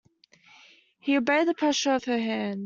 He obeyed the pressure of her hand.